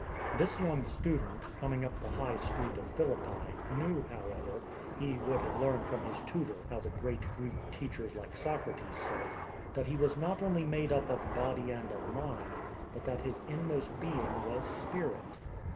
This young student, coming up the High Street of Philippi, knew, however (he would have learned from his tutor how the great Greek teachers like Socrates said), that he was not only made up of body and of mind, but that his inmost being was spirit.